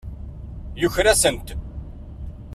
Yuker-asent.